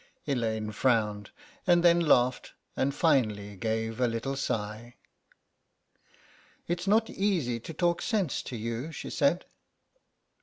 Elaine frowned, and then laughed, and finally gave a little sigh. "It's not easy to talk sense to you," she said.